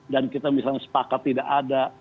dan kita misalnya sepakat tidak ada